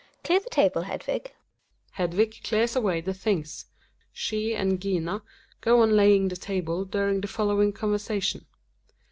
Clear the table, Hedvig. Hedvig clears away the things ; she and Gina go on laying the table during the following conversation.